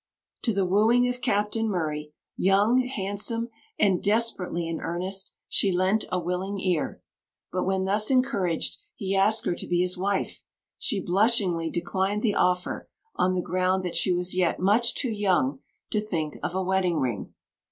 To the wooing of Captain Murray, young, handsome, and desperately in earnest, she lent a willing ear; but when thus encouraged, he asked her to be his wife, she blushingly declined the offer, on the ground that she was yet much too young to think of a wedding ring.